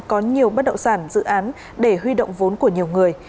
có nhiều bất động sản dự án để huy động vốn của nhiều người